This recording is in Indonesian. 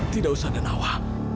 tidak usah danawa